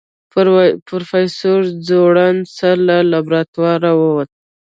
پروفيسر ځوړند سر له لابراتواره ووت.